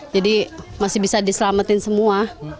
jadi masih bisa diselamatin semua